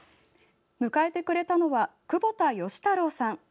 迎えてくれたのは窪田芳太郎さん。